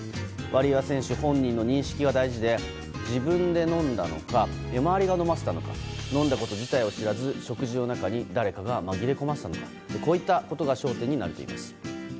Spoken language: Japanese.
ワリエワ選手本人の認識が大事で、自分で飲んだのか周りが飲ませたのか飲んだこと自体を知らず食事の中に誰かが紛れ込ませたのかこういったことが焦点になるといいます。